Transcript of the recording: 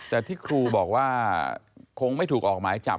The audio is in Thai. แต่ที่ครูบอกว่าคงไม่ถูกออกหมายจับ